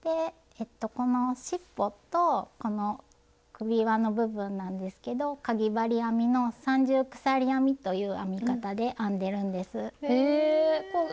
このしっぽとこの首輪の部分なんですけどかぎ針編みの「三重鎖編み」という編み方で編んでるんです。